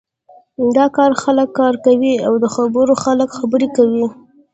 د کار خلک کار کوی او د خبرو خلک خبرې کوی.